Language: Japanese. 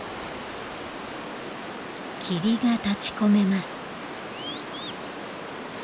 霧が立ちこめます。